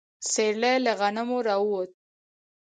سيرلي له غنمو راووت.